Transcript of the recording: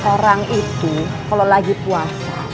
orang itu kalau lagi puasa